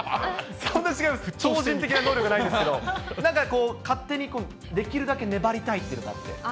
本当違います、超人的な能力はないんですけど、勝手にできるだけ粘りたいっていうのがあって。